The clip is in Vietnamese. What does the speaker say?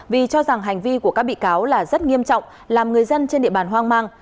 vì cho rằng hành vi của các bị cáo là rất nghiêm trọng làm người dân trên địa bàn hoang mang